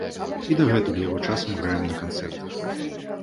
І дагэтуль яго часам граем на канцэртах.